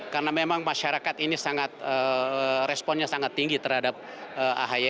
karena memang masyarakat ini sangat responnya sangat tinggi terhadap ahy